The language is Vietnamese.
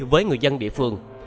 với người dân địa phương